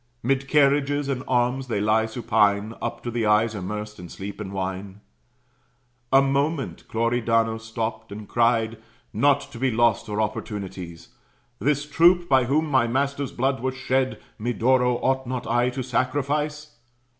'Mid carriages and arms they lie supine, Up to the eyes immersed in sleep and wine. A moment Cloridano stopt, and cried, "Not to be lost are opportunities. This troop, by whom my master's blood was shed, Medoro, ought not I to sacrifice?